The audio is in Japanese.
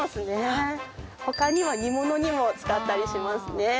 他には煮物にも使ったりしますね。